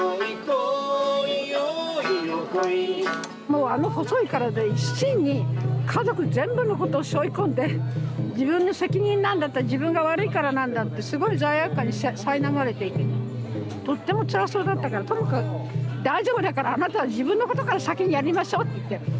もうあの細い体で一身に家族全部のことをしょい込んで自分の責任なんだ自分が悪いからなんだってすごい罪悪感にさいなまれていてねとってもつらそうだったからともかく大丈夫だからあなたは自分のことから先にやりましょうって言って。